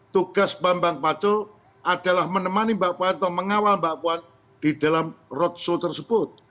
tugas bambang pacul adalah menemani mbak puanto mengawal mbak puan di dalam roadshow tersebut